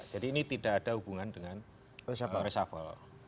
jadi ini tidak ada hubungan dengan resafel